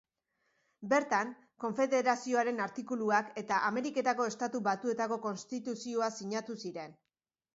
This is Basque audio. Bertan, Konfederazioaren Artikuluak eta Ameriketako Estatu Batuetako Konstituzioa sinatu ziren.